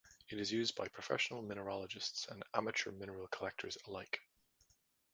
It is used by professional mineralogists and amateur mineral collectors alike.